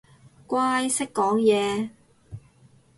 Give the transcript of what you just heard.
乖，識講嘢